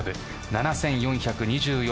７４２４